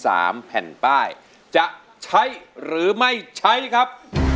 สามแผ่นป้ายจะใช้หรือไม่ใช้ครับ